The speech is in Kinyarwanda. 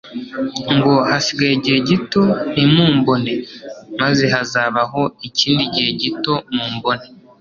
ngo : "Hasigaye igihe gito ntimumbone, maze hazabaho ikindi gihe gito mumbone.